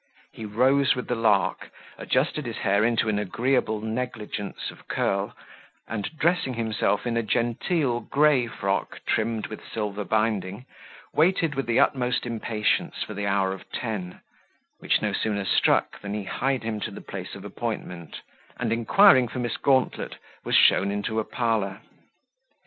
He rose with the lark, adjusted his hair into an agreeable negligence of curl, and dressing himself in a genteel gray frock trimmed with silver binding, waited with the utmost impatience for the hour of ten, which no sooner struck than he hied him to the place of appointment, and inquiring for Miss gauntlet, was shown into a parlour.